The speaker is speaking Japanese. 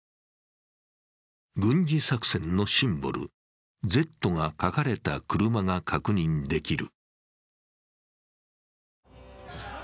軍事作戦のシンボル「Ｚ」が書かれた車が確認できる。